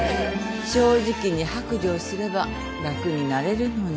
正直に白状すれば楽になれるのに。